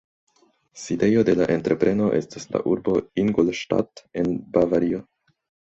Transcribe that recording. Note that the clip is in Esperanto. Sidejo de la entrepreno estas la urbo Ingolstadt en Bavario.